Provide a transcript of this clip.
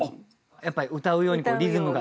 やっぱり歌うようにリズムが。